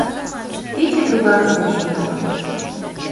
Кече тугак сай шога.